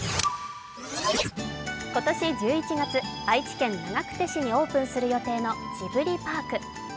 今年１１月、愛知県長久手市にオープンする予定のジブリパーク。